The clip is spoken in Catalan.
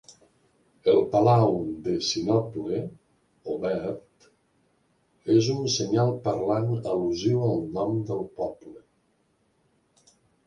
El palau de sinople, o verd, és un senyal parlant al·lusiu al nom del poble.